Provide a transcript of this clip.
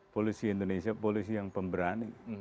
polisi indonesia polisi yang pemberani